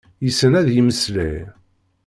Yessen ad yemmeslay.